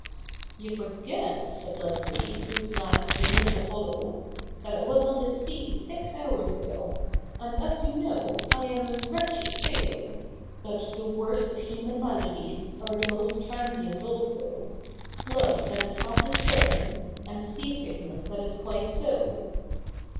' You forget,' said Leslie, whose laugh was a little hollow, ' that I was on the sea six hours ago ; and, as you know, I am a wretched sailor. But the worst of human maladies are the most transient also — love that IS half despairing, and sea sickness that is quite so.'